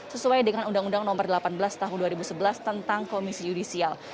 sesuai dengan undang undang nomor delapan belas tahun dua ribu sebelas tentang komisi yudisial